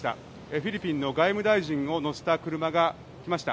フィリピンの外務大臣を乗せた車が来ました。